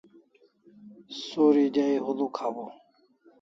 Suri dai huluk hawaw